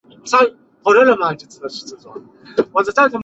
迪奥尔人口变化图示